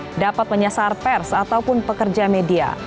yang dapat menyasar pers ataupun pekerja media